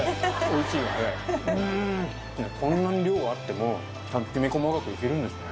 こんなに量あってもきめ細かくいけるんですね。